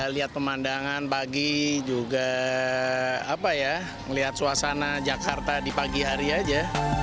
lihat pemandangan pagi juga melihat suasana jakarta di pagi hari aja